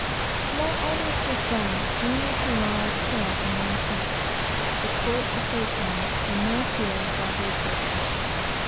While all this was doing, we were to lie still in one place, and the port was a safe one, and there was no fear of south easters.